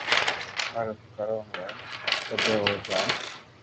پر ڪرو ويو جدي ھون چاھو